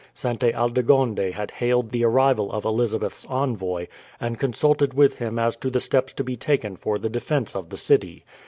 Sainte Aldegonde had hailed the arrival of Elizabeth's envoy, and consulted with him as to the steps to be taken for the defence of the city.